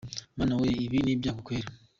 Mana Weee!! Ibi Ni Ibyago Kweli.